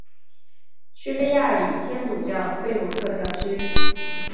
叙利亚礼天主教贝鲁特教区。